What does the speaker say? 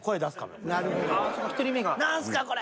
「何すかこれ！」